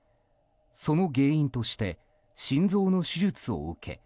その原因として心臓の手術を受け